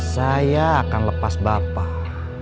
saya akan lepas bapak